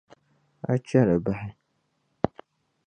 A che li bahi.